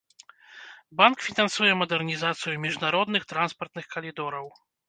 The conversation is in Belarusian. Банк фінансуе мадэрнізацыю міжнародных транспартных калідораў.